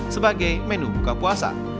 sebagai menu buka puasa